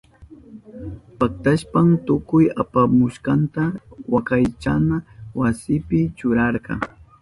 Paktashpan tukuy apamushkanta wakaychana wasipi churarka.